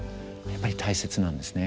やっぱり大切なんですね。